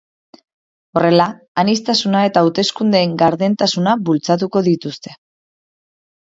Horrela, aniztasuna eta hauteskundeen gardentasuna bultzatuko dituzte.